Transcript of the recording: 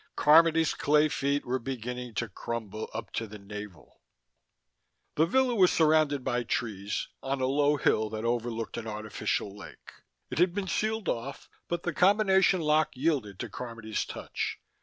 Carmody's clay feet were beginning to crumble up to the navel! The villa was surrounded by trees, on a low hill that overlooked an artificial lake. It had been sealed off, but the combination lock yielded to Carmody's touch.